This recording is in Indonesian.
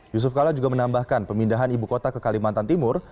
yusuf kala juga menambahkan pemindahan ibu kota ke kalimantan timur